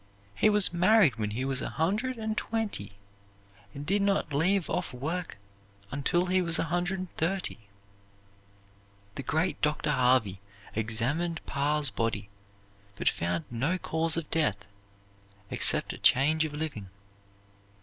He was married when he was a hundred and twenty, and did not leave off work until he was a hundred and thirty. The great Dr. Harvey examined Parr's body, but found no cause of death except a change of living.